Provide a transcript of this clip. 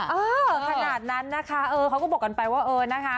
เออขนาดนั้นนะคะเออเขาก็บอกกันไปว่าเออนะคะ